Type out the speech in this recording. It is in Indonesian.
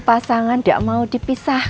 pasangan enggak mau dipisahkan